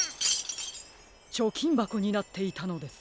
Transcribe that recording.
ちょきんばこになっていたのです。